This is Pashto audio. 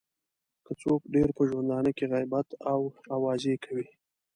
که څوک ډېر په ژوندانه کې غیبت او اوازې کوي.